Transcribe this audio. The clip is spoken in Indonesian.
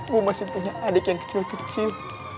gue masih punya adik yang kecil kecil